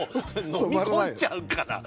飲み込んじゃうから。